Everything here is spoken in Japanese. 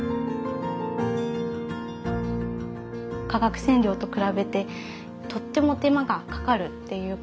化学染料と比べてとっても手間がかかるっていうこと。